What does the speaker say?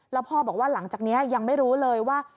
แล้วพ่อบอกว่าหลังจากนี้ยังไม่รู้เลยว่า